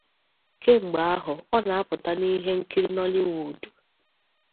Kemgbe ahụ, ọ na pụta n'ihe nkiri Nollywood.